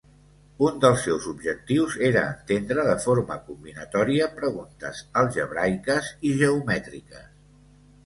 Un dels seus objectius era entendre de forma combinatòria preguntes algebraiques i geomètriques.